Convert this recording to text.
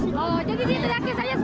oh jadi dia teriakin semangat saja